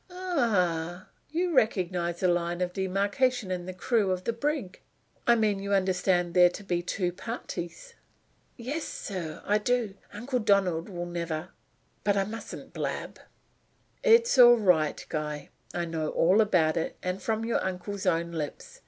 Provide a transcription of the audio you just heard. "Ah, you recognize a line of demarcation in the crew of the brig? I mean you understand there to be two parties." "Yes, sir, I do. Uncle Donald will never But I mustn't blab." "It's all right, Guy. I know all about it, and from your uncle's own lips.